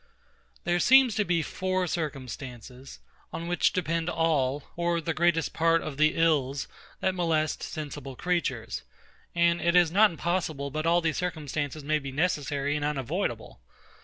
There seem to be four circumstances, on which depend all, or the greatest part of the ills, that molest sensible creatures; and it is not impossible but all these circumstances may be necessary and unavoidable.